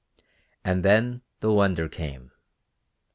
And then the wonder came.